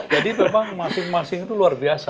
jadi memang masing masing itu luar biasa